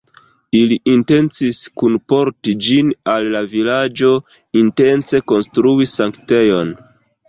Ili intencis kunporti ĝin al la vilaĝo intence konstrui sanktejon.